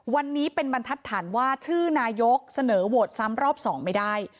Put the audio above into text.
วันนี้เป็นบรรทัดฐานว่าชื่อนายกเสนอโหวตซ้ำรอบ๒ไม่ได้